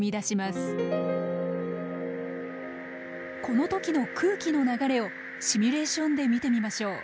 この時の空気の流れをシミュレーションで見てみましょう。